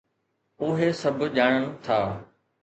اهي سڀ ڄاڻن ٿا.